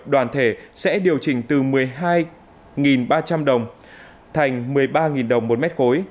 đoàn thể sẽ điều chỉnh từ một mươi hai ba trăm linh đồng thành một mươi ba đồng một mét khối